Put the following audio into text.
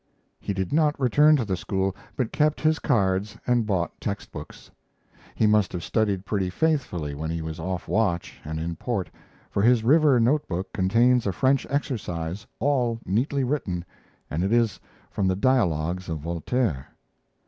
He did not return to the school, but kept his cards and bought text books. He must have studied pretty faithfully when he was off watch and in port, for his river note book contains a French exercise, all neatly written, and it is from the Dialogues of Voltaire.